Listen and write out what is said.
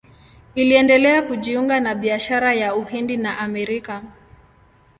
Iliendelea kujiunga na biashara ya Uhindi na Amerika.